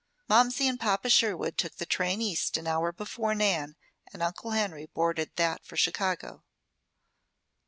Momsey and Papa Sherwood took the train east an hour before Nan and Uncle Henry boarded that for Chicago.